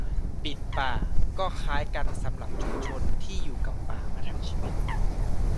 "ปิดป่า" ก็คล้ายกันสำหรับชุมชนที่อยู่กับป่ามาทั้งชีวิต